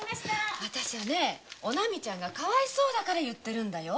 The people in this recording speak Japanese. お波ちゃんがかわいそうだから言ってるのよ。